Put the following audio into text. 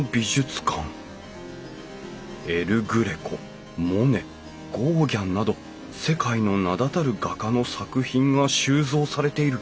エル・グレコモネゴーギャンなど世界の名だたる画家の作品が収蔵されている。